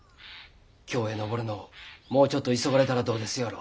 京へ上るのをもうちょっと急がれたらどうですやろ。